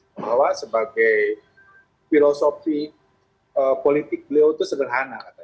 bahwa sebagai filosofi politik beliau itu sederhana